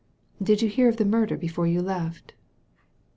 "Did you hear of the murder before you left